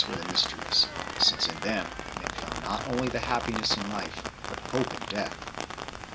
were the mysteries, since in them men found not only happiness in life but hope in death.